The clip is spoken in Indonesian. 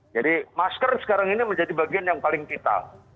jadi masker sekarang ini menjadi bagian yang paling vital